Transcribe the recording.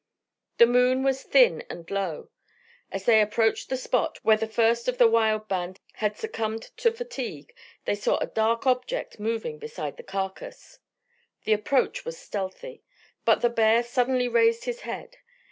The moon was thin and low. As they approached the spot where the first of the wild band had succumbed to fatigue they saw a dark object moving beside the carcass. The approach was stealthy, but the bear suddenly raised his head.